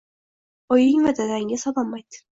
oying va dadangga salom ayt.